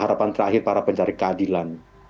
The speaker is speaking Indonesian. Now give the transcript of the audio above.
harapan terakhir para pencari keadilan